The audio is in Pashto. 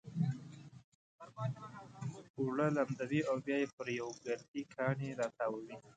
اوړه لمدوي او بيا يې پر يو ګردي کاڼي را تاووي.